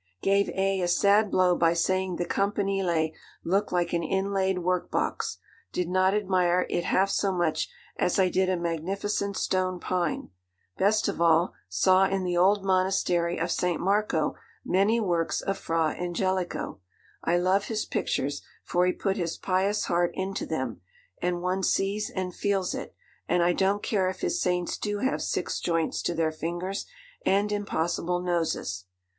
'Gave A. a sad blow by saying the Campanile looked like an inlaid work box. Did not admire it half so much as I did a magnificent stone pine. Best of all, saw in the old Monastery of St. Marco many works of Fra Angelico. I love his pictures, for he put his pious heart into them, and one sees and feels it, and I don't care if his saints do have six joints to their fingers and impossible noses.